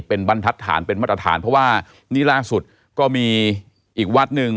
เป็นบรรทัศน์เป็นมาตรฐานเพราะว่านี่ล่าสุดก็มีอีกวัดหนึ่ง